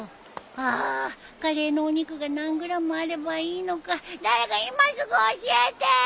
あカレーのお肉が何ｇあればいいのか誰か今すぐ教えてー！